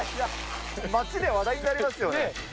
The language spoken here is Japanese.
街で話題になりますよね。